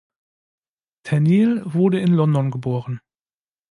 Tenniel wurde in London geboren.